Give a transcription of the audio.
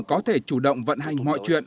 có thể chủ động vận hành mọi chuyện